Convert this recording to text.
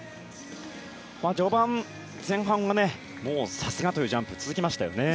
序盤、前半はさすがというジャンプが続きましたね。